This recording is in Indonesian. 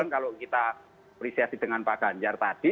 kalau kita apresiasi dengan pak ganjar tadi